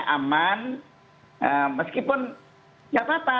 aman meskipun tidak apa apa